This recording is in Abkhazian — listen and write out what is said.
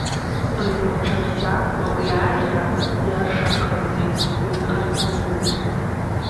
Ргәырҽанӡамкәа уи иаара иаршанхаз зегьы ҩаихаҵгылеит.